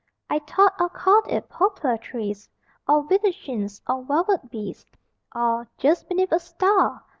I thought I'd call it "Poplar Trees," Or "Widdershins" or "Velvet Bees," Or "Just Beneath a Star."